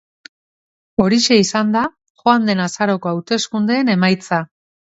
Horixe izan da, joan den azaroko hauteskundeen emaitza.